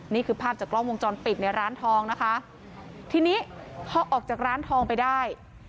นี่คือภาพจากกล้องวงจรปิดในร้านทองนะคะทีนี้พอออกจากร้านทองไปได้